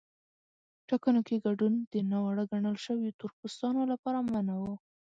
ټاکنو کې ګډون د ناوړه ګڼل شویو تور پوستانو لپاره منع و.